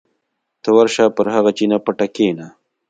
ته ورشه پر هغه چینه پټه کېنه.